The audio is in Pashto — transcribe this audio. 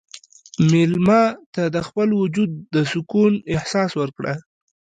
مېلمه ته د خپل وجود د سکون احساس ورکړه.